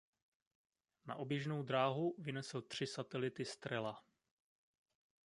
Na oběžnou dráhu vynesl tři satelity Strela.